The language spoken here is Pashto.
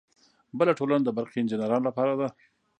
بله ټولنه د برقي انجینرانو لپاره ده.